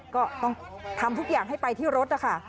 ก็ต้องทำทุกอย่างให้ไปที่รถนะคะ